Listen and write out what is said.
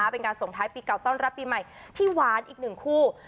เป็นการส่งท้ายปีเก่าต้อนรับปีใหม่ที่หวานอีกหนึ่งคู่